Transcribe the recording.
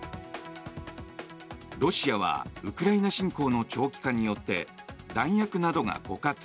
ロシアはウクライナ侵攻の長期化によって弾薬などが枯渇。